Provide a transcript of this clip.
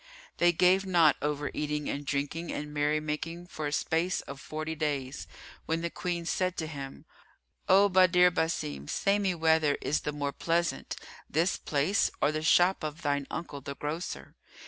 They gave not over eating and drinking and merry making for a space of forty days, when the Queen said to him, "O Badr Basim, say me whether is the more pleasant, this place or the shop of thine uncle the grocer?"